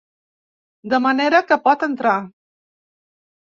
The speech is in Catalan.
De manera que pot entrar.